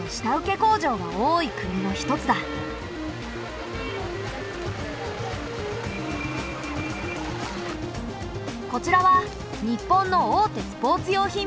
こちらは日本の大手スポーツ用品メーカーの社員。